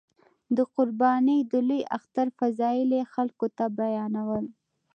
د قربانۍ د لوی اختر فضایل یې خلکو ته بیانول.